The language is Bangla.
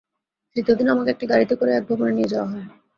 তৃতীয় দিন আমাকে একটি গাড়িতে করে এক ভবনে নিয়ে যাওয়া হয়।